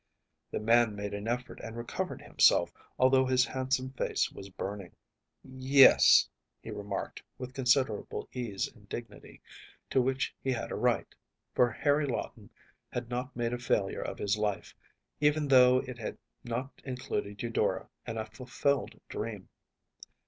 ‚ÄĚ The man made an effort and recovered himself, although his handsome face was burning. ‚ÄúYes,‚ÄĚ he remarked, with considerable ease and dignity, to which he had a right, for Harry Lawton had not made a failure of his life, even though it had not included Eudora and a fulfilled dream.